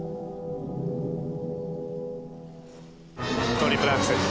トリプルアクセル。